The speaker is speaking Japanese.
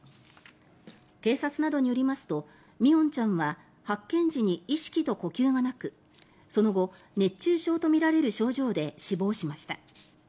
警察などによりますと三櫻音ちゃんは発見時に意識と呼吸がなくその後、熱中症とみられる症状で死亡しました。